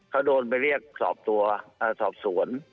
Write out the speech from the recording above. เขาโดนไปเรียกสอบส่วน